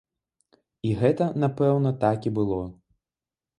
І гэта, напэўна, так і было.